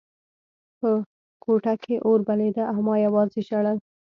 په کوټه کې اور بلېده او ما یوازې ژړل